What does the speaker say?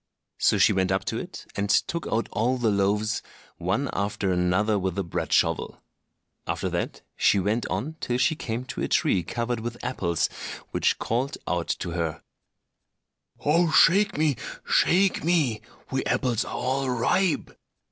So she went up to it, and took out all the loaves one after another with the bread shovel. After that she went on till she came to a tree covered with apples, which called out to her, "Oh, shake me! shake me! we apples are all ripe!"